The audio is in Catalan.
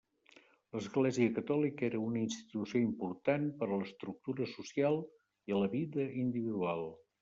L'Església Catòlica era una institució important per a l'estructura social i a la vida individual.